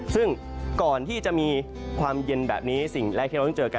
ซึ่งก่อนที่จะมีความเย็นแบบนี้สิ่งแรกที่เราต้องเจอกัน